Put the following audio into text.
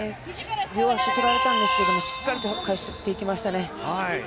足を取られたんですがしっかりと返していきましたね。